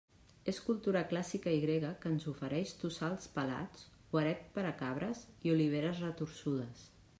És cultura clàssica i grega que ens ofereix tossals pelats, guaret per a cabres i oliveres retorçudes.